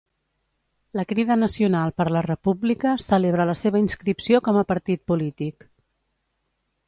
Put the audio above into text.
La Crida Nacional per la República celebra la seva inscripció com a partit polític